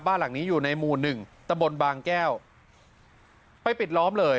บ้านหลังนี้อยู่ในหมู่หนึ่งตะบนบางแก้วไปปิดล้อมเลย